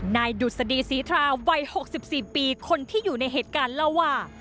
นายดุษฎีศรีทราวัย๖๔ปีคนที่อยู่ในเหตุการณ์เล่าว่า